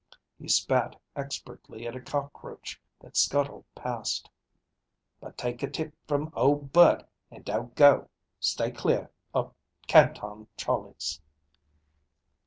He spat expertly at a cockroach that scuttled past. "But take a tip from ol' Bert and don't go. Stay clear o' Canton Charlie's."